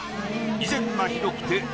「以前がひどくて」